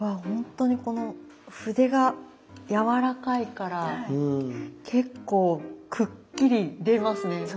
ほんとにこの筆がやわらかいから結構くっきり出ますね。